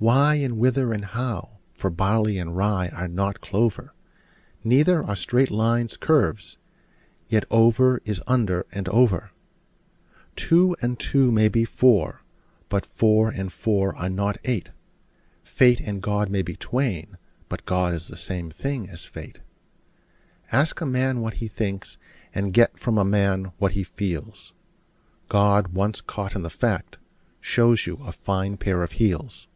Why, and whither, and how? for barley and rye are not clover: Neither are straight lines curves: yet over is under and over. Two and two may be four: but four and four are not eight: Fate and God may be twain: but God is the same thing as fate. Ask a man what he thinks, and get from a man what he feels: God, once caught in the fact, shows you a fair pair of heels.